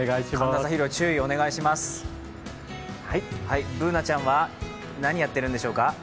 Ｂｏｏｎａちゃんは、何やってるんでしょうか。